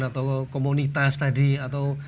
atau komunitas tadi atau